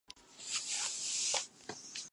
年金に見合った暮らしをする